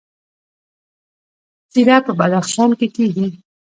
زیره په بدخشان کې کیږي